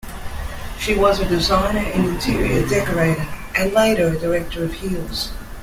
She was a designer and interior decorator, and later a director of Heal's.